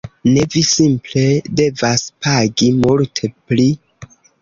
Ne, vi simple devas pagi multe pli